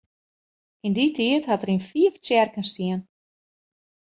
Yn dy tiid hat er yn fiif tsjerken stien.